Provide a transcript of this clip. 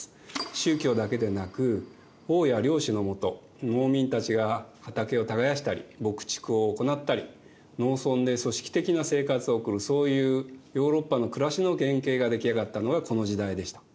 宗教だけでなく王や領主のもと農民たちが畑を耕したり牧畜を行ったり農村で組織的な生活を送るそういうヨーロッパの暮らしの原型が出来上がったのがこの時代でした。